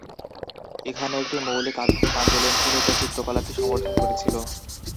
এখানে একটি মৌলিক, আধুনিক আন্দোলন ছিল যা চিত্রকলাকে সমর্থন করেছিল।